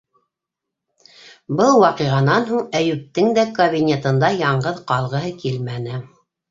Был ваҡиғанан һуң Әйүптең дә кабинетында яңғыҙ ҡалғыһы килмәне.